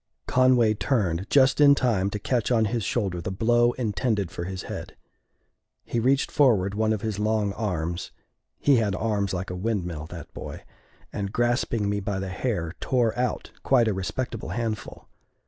Conway turned just in time to catch on his shoulder the blow intended for his head. He reached forward one of his long arms he had arms like a windmill, that boy and, grasping me by the hair, tore out quite a respectable handful.